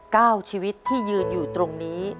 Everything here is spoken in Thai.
ชีวิตที่ยืนอยู่ตรงนี้